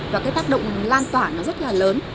và cái tác động lan tỏa nó rất là lớn